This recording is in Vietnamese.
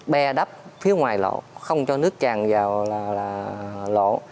be đắp phía ngoài lộ không cho nước tràn vào là lộ